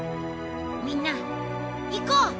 みんな行こう！